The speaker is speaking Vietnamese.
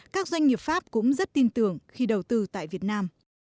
các doanh nghiệp pháp cũng rất tin tưởng khi đầu tư tại việt nam